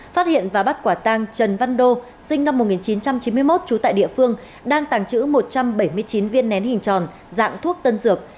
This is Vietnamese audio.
phát hiện và bắt quả tăng trần văn đô sinh năm một nghìn chín trăm chín mươi một trú tại địa phương đang tàng trữ một trăm bảy mươi chín viên nén hình tròn dạng thuốc tân dược